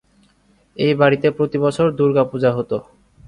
এই বাড়িতে প্রতিবছর দুর্গা পূজা হতো।